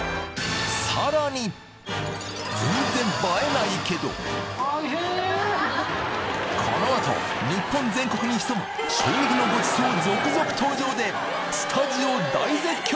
全然この後日本全国に潜む衝撃のごちそう続々登場でスタジオ大絶叫！